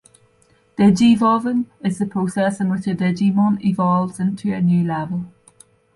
Digivolving is the process in which a Digimon "evolves" into a new level.